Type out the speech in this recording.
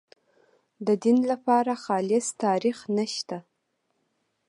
د دین لپاره خالص تاریخ نشته.